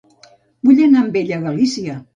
Vull anar amb ella a Galícia.